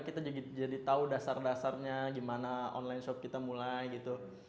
kita jadi tahu dasar dasarnya gimana online shop kita mulai gitu